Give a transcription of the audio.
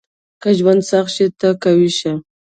• که ژوند سخت شي، ته قوي شه.